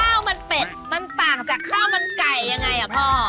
ข้าวมันเป็ดมันต่างจากข้าวมันไก่ยังไงอ่ะพ่อ